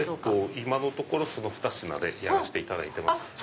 今のところその２品でやらしていただいてます。